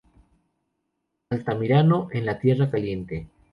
Altamirano, en la Tierra Caliente.